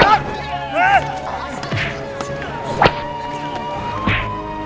tangkap mereka tangkap